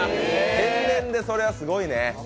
天然でそりゃ、すごいね。